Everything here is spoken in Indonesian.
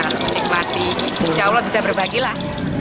menikmati insya allah bisa berbagilah